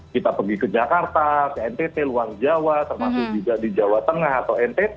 kita pergi ke jakarta ke ntt luang jawa termasuk juga di jawa tengah atau ntt